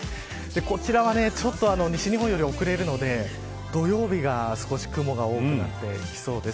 こちらは西日本よりちょっと遅れるので土曜日が少し雲が多くなってきそうです。